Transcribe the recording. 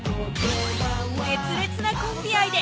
熱烈なコンビ愛で